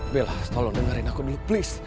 bella tolong dengerin aku dulu please